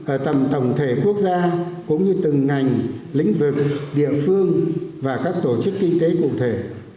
ở tầm tổng thể quốc gia cũng như từng ngành lĩnh vực địa phương và các tổ chức kinh tế cụ thể